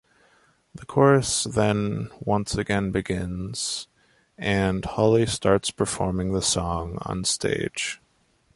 The chorus then once again begins and Holly starts performing the song on stage.